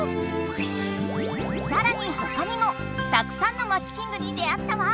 さらにほかにもたくさんのまちキングに出会ったわ！